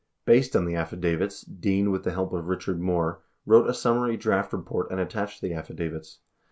Based on the affidavits, Dean with the help of Richard Moore, wrote a summary draft report and attached the affidavit*.